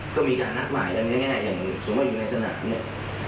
ก็มีการนัดหมายกันง่ายอย่างสมมุติอยู่ในสนามเนี่ย